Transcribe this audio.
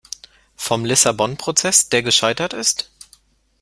Vom Lissabon-Prozess, der gescheitert ist?